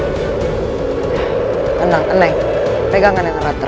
tenang enek pegangan yang ngerah terat